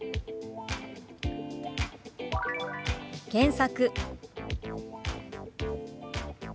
「検索」。